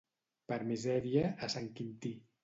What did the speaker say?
Per misèria, a Sant Quintí.